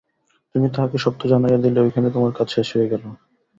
তুমি তাহাকে সত্য জানাইয়া দিলে, ঐখানেই তোমার কাজ শেষ হইয়া গেল।